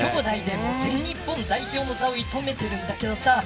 きょうだいで全日本代表の座を射止めてるんだけどさ